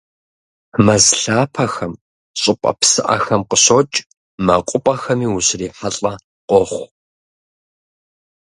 Мэз лъапэхэм, щӏыпӏэ псыӏэхэм къыщокӏ, мэкъупӏэхэми ущрихьэлӏэ къохъу.